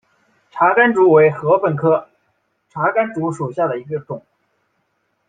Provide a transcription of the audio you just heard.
茶竿竹为禾本科茶秆竹属下的一个种。